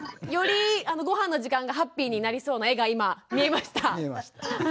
よりごはんの時間がハッピーになりそうな絵が今見えました。